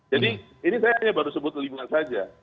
jadi ini saya hanya baru sebut lima saja